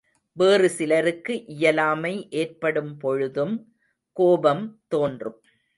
வேறு சிலருக்கு இயலாமை ஏற்படும் பொழுதும் கோபம் தோன்றும்.